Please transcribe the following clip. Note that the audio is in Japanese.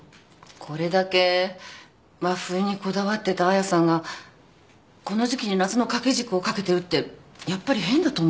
これだけ和風にこだわってた亜矢さんがこの時季に夏の掛け軸を掛けてるってやっぱり変だと思わない？